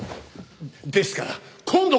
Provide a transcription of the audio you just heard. ですから今度こそ！